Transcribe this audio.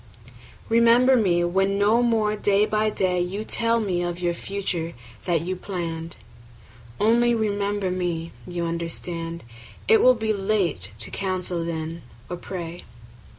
Remember me when no more day by day 5 You tell me of our future that you plann'd: Only remember me; you understand It will be late to counsel then or pray.